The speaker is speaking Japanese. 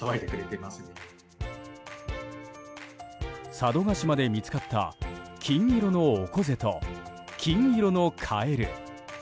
佐渡島で見つかった金色のオコゼと金色のカエル。